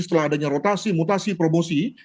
setelah adanya rotasi mutasi promosi